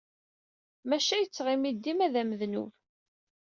Maca yettɣimi-d dima d amednub.